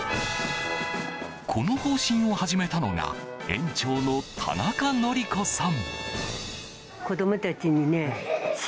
この方針を始めたのが園長の田中則子さん。